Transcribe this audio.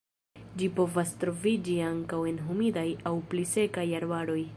Ĝi povas troviĝi ankaŭ en humidaj aŭ pli sekaj arbaroj.